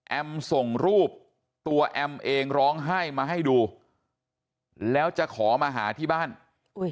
ส่งรูปตัวแอมเองร้องไห้มาให้ดูแล้วจะขอมาหาที่บ้านอุ้ย